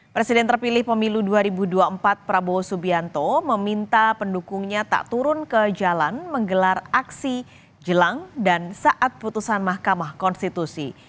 presiden terpilih pemilu dua ribu dua puluh empat prabowo subianto meminta pendukungnya tak turun ke jalan menggelar aksi jelang dan saat putusan mahkamah konstitusi